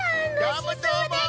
どーもどーも！